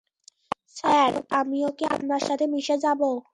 Sir, আমিও কি আপনার সাথে মিশে যাব?